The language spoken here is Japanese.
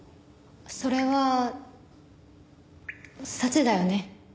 それは早智だよね。